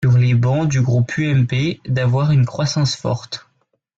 sur les bancs du groupe UMP, d’avoir une croissance forte.